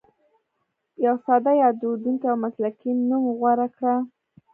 یو ساده، یادېدونکی او مسلکي نوم غوره کړه.